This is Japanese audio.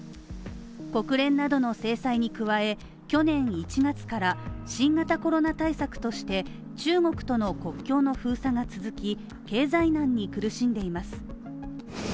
国連などの制裁に加え、去年１月から新型コロナ対策として、中国との国境の封鎖が続き、経済難に苦しんでいます。